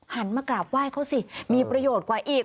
มากราบไหว้เขาสิมีประโยชน์กว่าอีก